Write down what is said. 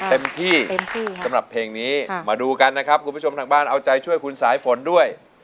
เต็มที่เต็มที่สำหรับเพลงนี้มาดูกันนะครับคุณผู้ชมทางบ้านเอาใจช่วยคุณสายฝนด้วย